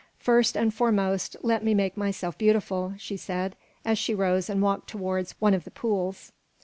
"First and foremost, let me make myself beautiful," she said, as she rose and walked towards one of the pools.